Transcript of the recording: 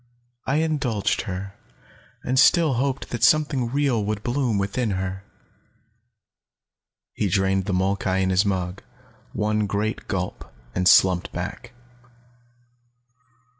I indulged her, and still hoped that something real would bloom within her." He drained the molkai in his mug, one great gulp, and slumped back.